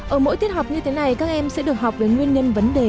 ở mỗi tiết học như thế này các em sẽ được học về nguyên nhân vấn đề